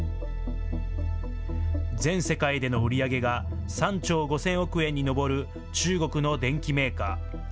全世界での売り上げが３兆５０００億円に上る中国の電機メーカー。